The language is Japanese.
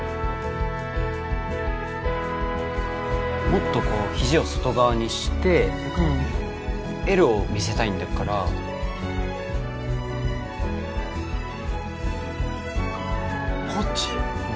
もっとこう肘を外側にしてＬを見せたいんだからこっち？